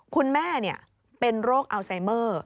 คุณแม่เป็นโรคอัลไซเมอร์